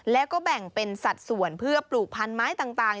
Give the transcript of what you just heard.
แล้วก็แบ่งเป็นสัดส่วนเพื่อปลูกพันไม้ต่าง